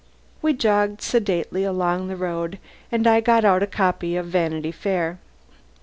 We jogged sedately along the road, and I got out a copy of "Vanity Fair."